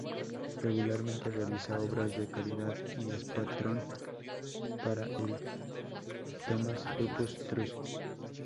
Regularmente realiza obras de caridad y es patrón para el St Thomas' Lupus Trust.